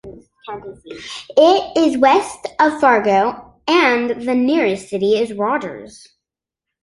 It is west of Fargo, and the nearest city is Rogers.